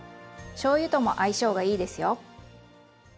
しょうゆとも相性がいいですよ。